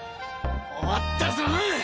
終わったぞォ！